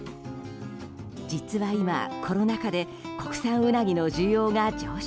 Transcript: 実は、今コロナ禍で国産ウナギの需要が上昇。